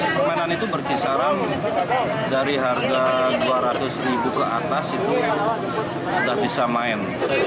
permainan itu berkisaran dari harga dua ratus ribu ke atas itu sudah bisa main